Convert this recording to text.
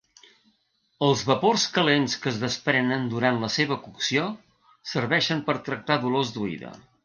Els vapors calents que es desprenen durant la seva cocció serveixen per tractar dolors d'oïda.